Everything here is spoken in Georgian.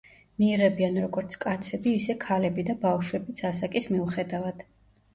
მიიღებიან როგორც კაცები, ისე ქალები და ბავშვებიც ასაკის მიუხედავად.